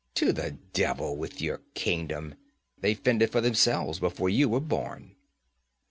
To the devil with your kingdom; they fended for themselves before you were born.'